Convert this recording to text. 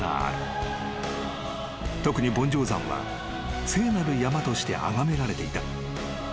［特に梵浄山は聖なる山としてあがめられていた］